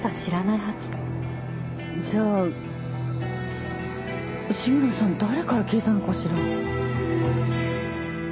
じゃあ志村さん誰から聞いたのかしら？